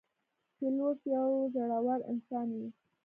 پیلوټ یو زړهور انسان وي.